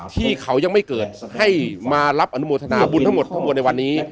ที่เขายังไม่เกิดให้มารับอนุโมทนาบุญทั้งหมดทั้งหมดในวันนี้